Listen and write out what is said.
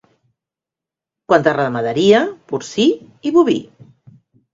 Quant a ramaderia, porcí i boví.